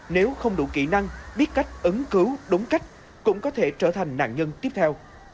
nếu không đủ kỹ năng biết cách ứng cứu đúng cách cũng có thể trở thành nạn nhân tiếp theo